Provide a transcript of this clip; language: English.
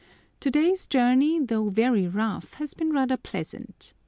To day's journey, though very rough, has been rather pleasant.